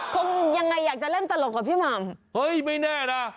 คงยังไงอยากจะเล่นตลกกับพี่หม่ำเฮ้ยไม่แน่นะ